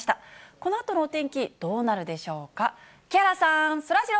このあとのお天気、どうなるでしょうか。